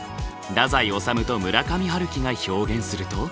太宰治と村上春樹が表現すると。